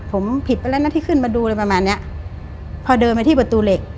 ผมผิดไปแล้วนะที่ขึ้นมาดูอะไรประมาณเนี้ยพอเดินมาที่ประตูเหล็ก